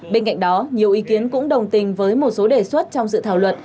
bên cạnh đó nhiều ý kiến cũng đồng tình với một số đề xuất trong dự thảo luật